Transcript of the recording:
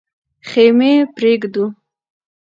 خېمې پرېږدو.